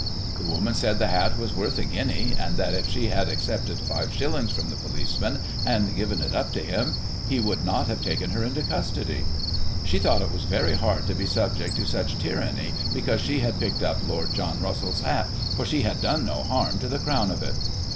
' The woman said the hat was worth a guinea, and that if she had accepted 5/ from the policeman, and given it up to him, he would not have taken her into custody. She thought it was very hard to be subject to such tyranny because she had picked up Lord John Russell's hat, for she had done no harm to the crown of it.